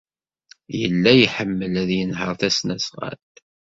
Yella iḥemmel ad yenheṛ tasnasɣalt.